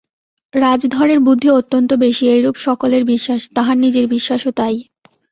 রাজধরের বুদ্ধি অত্যন্ত বেশি এইরূপ সকলের বিশ্বাস, তাঁহার নিজের বিশ্বাসও তাই।